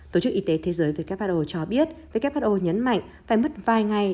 tổ chức y tế thế giới who cho biết who nhấn mạnh phải mất vài ngày